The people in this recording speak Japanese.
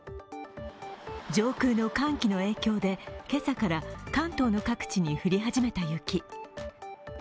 上空の寒気の影響で今朝から関東の各地で降り始めた雪。